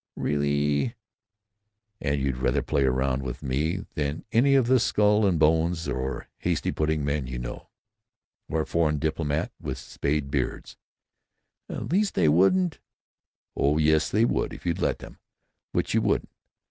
"Really——" "And you'd rather play around with me than any of the Skull and Bones or Hasty Pudding men you know? Or foreign diplomats with spade beards?" "At least they wouldn't——" "Oh yes they would, if you'd let them, which you wouldn't....